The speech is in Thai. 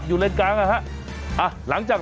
เดือดเลยละครับ